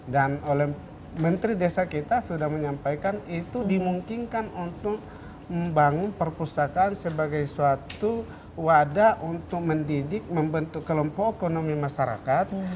dan oleh menteri desa kita sudah menyampaikan itu dimungkinkan untuk membangun perpustakaan sebagai suatu wadah untuk mendidik membentuk kelompok ekonomi masyarakat